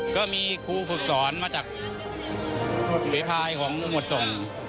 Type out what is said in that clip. ก็มีครูฝึกสอนมาจากเวพายของหมวดส่ง